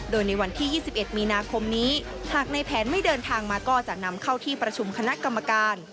โดยในวันที่๒๑มีนาคมนี้หากในแผนไม่เดินทางมาก็จะนำเข้าที่ประชุมคณะกรรมการ